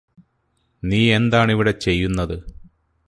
നീയെന്താണിവിടെ ചെയ്യുന്നത്